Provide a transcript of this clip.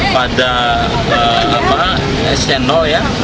pada s sepuluh ya